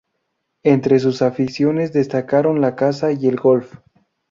Entre sus aficiones destacaron la caza y el golf.